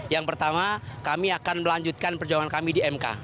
yang pertama kami akan melanjutkan perjuangan kami di mk